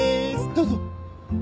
どうぞ！